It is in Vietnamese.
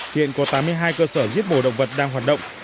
hiện có tám mươi hai cơ sở giết mổ động vật đang hoạt động